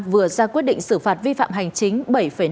vừa ra quyết định xử phạt vi phạm hành chính